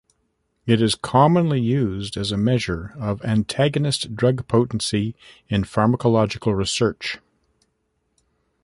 It is commonly used as a measure of antagonist drug potency in pharmacological research.